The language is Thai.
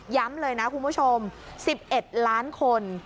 เลยนะคุณผู้ชม๑๑ล้านคน